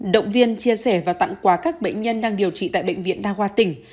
động viên chia sẻ và tặng quà các bệnh nhân đang điều trị tại bệnh viện đa khoa tỉnh